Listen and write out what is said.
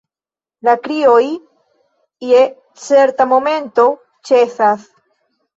La krioj, je certa momento, ĉesas.